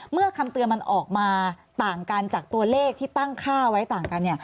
คำเตือนมันออกมาต่างกันจากตัวเลขที่ตั้งค่าไว้ต่างกัน